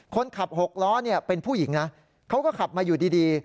คนขับหกล้อเป็นผู้หญิงนะเขาก็ขับมาอยู่ดี